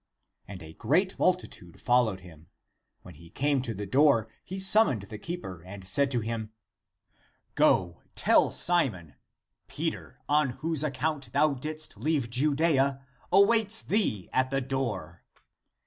And a great multitude followed him. When he came to the door, he summoned the keeper and said to him, " Go, tell Simon, ' Peter, on whose account thou didst leave Judea, awaits thee at the door